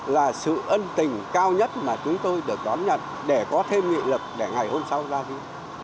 là sự ân tình cao nhất mà chúng tôi được đón nhận để có thêm nghị lực để ngày hôm sau ra đi